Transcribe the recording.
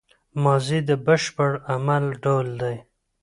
ماضي د بشپړ عمل ډول دئ.